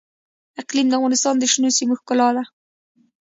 اقلیم د افغانستان د شنو سیمو ښکلا ده.